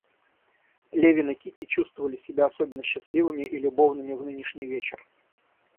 Левин и Кити чувствовали себя особенно счастливыми и любовными в нынешний вечер.